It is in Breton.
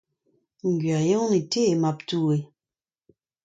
E gwirionez, te eo Mab Doue !